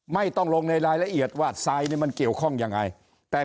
ไม่ต้องลงในรายละเอียดว่าทรายนี่มันเกี่ยวข้องยังไงแต่